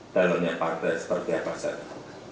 tahu dalurnya partai seperti apa saja